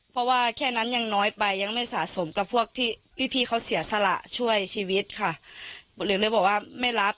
เพราะว่าแค่นั้นยังน้อยไปยังไม่สะสมกับพวกที่พี่พี่เขาเสียสละช่วยชีวิตค่ะหรือเลยบอกว่าไม่รับ